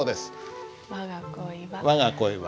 「わが恋は」。